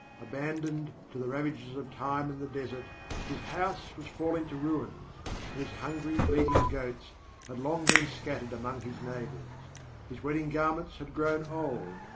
Abandoned to the ravages of time and the desert, his house was falling to ruins, and his hungry, bleating goats had long been scattered among his neighbours. His wedding garments had grown old.